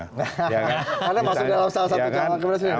karena masuk dalam salah satu calon kemarin